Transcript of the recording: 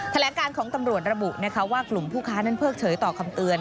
แถลงการของตำรวจระบุว่ากลุ่มผู้ค้านั้นเพิกเฉยต่อคำเตือน